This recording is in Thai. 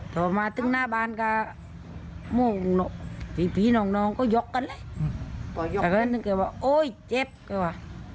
แต่ก็นึกว่าโอ๊ยเจ็บกันว่ะ